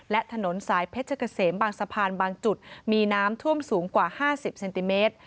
และถนนสายเพชรเกษมบางสะพานบางจุดมีน้ำท่วมสูงกว่า๕๐เซนติเมตร